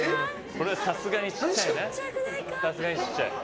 これはさすがにちっちゃいな。